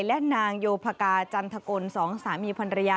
และนางโยภากาจันทกล๒สามีพรรยา